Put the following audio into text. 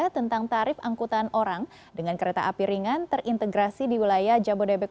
tentang tarif angkutan orang dengan kereta api ringan terintegrasi di wilayah jabodebek